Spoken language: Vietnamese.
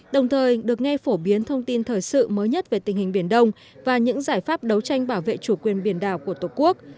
đồng thời được nghe phổ biến thông tin thời sự mới nhất về tình hình biển đông và những giải pháp đấu tranh bảo vệ chủ quyền biển đảo của tổ quốc